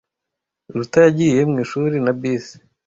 Ruta yagiye mwishuri na bisi.